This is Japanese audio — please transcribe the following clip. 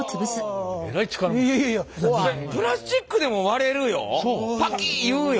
それプラスチックでも割れるよパキッいうよ。